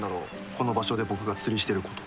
この場所で僕が釣りしてること。